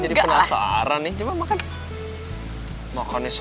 jadi penasaran nih coba makan